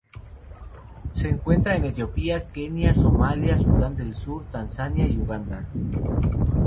Se encuentra en Etiopía, Kenia, Somalia, Sudan del Sur, Tanzania, y Uganda.